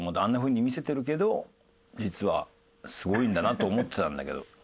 あんな風に見せてるけど実はすごいんだなと思ってたんだけど。